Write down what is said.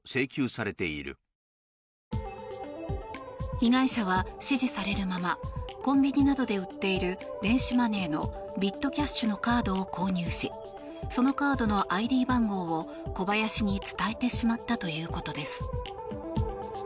被害者は指示されるままコンビニなどで売っている電子マネーのビットキャッシュのカードを購入しそのカードのＩＤ番号をコバヤシに伝えてしまったということです。